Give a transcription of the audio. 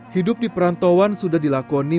hidup di perantauan sudah dilakoni